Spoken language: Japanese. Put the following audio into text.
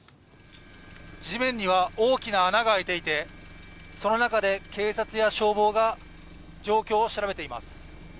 地面には大きな穴が開いていてその中で警察や消防が状況を調べています。